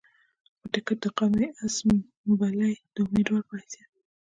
پۀ ټکټ د قامي اسمبلۍ د اميدوار پۀ حېثيت